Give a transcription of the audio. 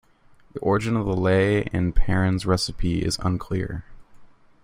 The origin of the Lea and Perrins recipe is unclear.